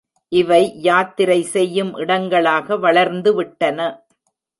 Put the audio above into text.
இவை யாத்திரை செய்யும் இடங்களாக வளர்ந்துவிட்டன.